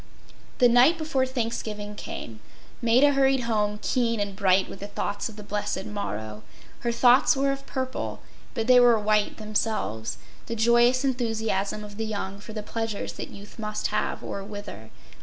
The night before Thanksgiving came. Maida hurried home, keen and bright with the thoughts of the blessed morrow. Her thoughts were of purple, but they were white themselves—the joyous enthusiasm of the young for the pleasures that youth must have or wither.